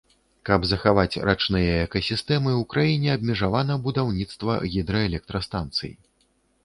Каб захаваць рачныя экасістэмы, у краіне абмежавана будаўніцтва гідраэлектрастанцый.